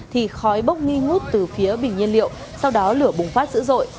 thì khói bốc nghi ngút từ phía bình nhiên liệu sau đó lửa bùng phát dữ dội